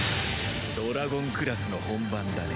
ドラゴンクラスの本番だね。